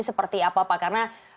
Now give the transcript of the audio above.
seperti apa pak karena